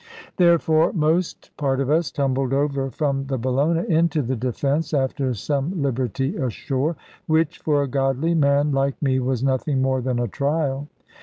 Therefore most part of us tumbled over from the Bellona into the Defence, after some liberty ashore which, for a godly man like me, was nothing more than a trial.